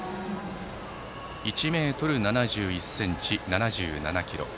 １ｍ７１ｃｍ、７７ｋｇ。